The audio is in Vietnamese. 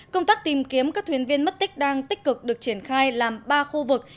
công tác tìm kiếm các thuyền viên mất tích đang tích cực được triển khai làm ba khu vực